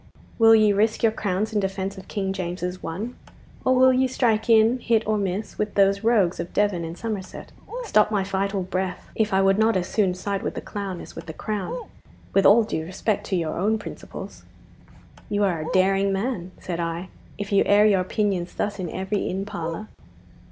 'Will ye risk your crowns in defence of King James's one, or will ye strike in, hit or miss, with these rogues of Devon and Somerset? Stop my vital breath, if I would not as soon side with the clown as with the crown, with all due respect to your own principles!' 'You are a daring man,' said I, 'if you air your opinions thus in every inn parlour.